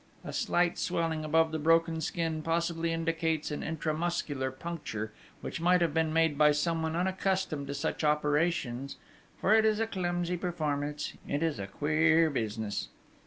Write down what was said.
A slight swelling above the broken skin possibly indicates an intra muscular puncture, which might have been made by someone unaccustomed to such operations, for it is a clumsy performance. It is a queer business!...'